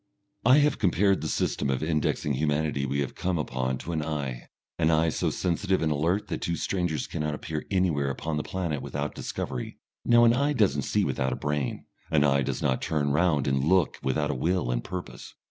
I have compared the system of indexing humanity we have come upon to an eye, an eye so sensitive and alert that two strangers cannot appear anywhere upon the planet without discovery. Now an eye does not see without a brain, an eye does not turn round and look without a will and purpose.